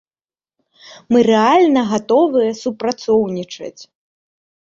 Мы рэальна гатовыя супрацоўнічаць.